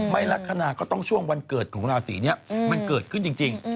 ลักษณะก็ต้องช่วงวันเกิดของราศีนี้มันเกิดขึ้นจริง